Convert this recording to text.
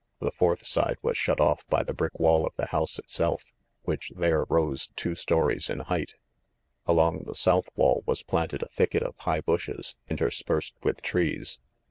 The fourth side was shut off by the brick wall of the house itself, which there rose two stories in height. Along the south wall was planted a thicket of high bushes, interspersed with trees.